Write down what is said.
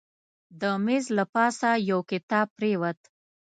د میز له پاسه یو کتاب پرېوت.